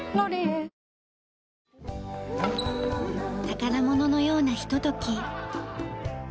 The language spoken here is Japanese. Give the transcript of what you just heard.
宝物のようなひととき。